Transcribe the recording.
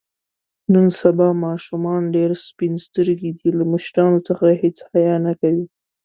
نن سبا ماشومان ډېر سپین سترګي دي. له مشرانو څخه هېڅ حیا نه کوي.